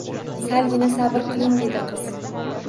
Salgina sabr qiling dedi qiz